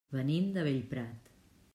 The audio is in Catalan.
Venim de Bellprat.